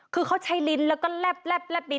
คือเขาใช้ลิ้นแล้วก็แลบลิ้น